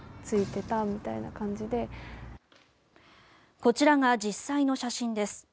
こちらが実際の写真です。